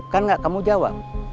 kan gak kamu jawab